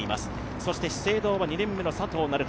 そして資生堂は２年目の佐藤成葉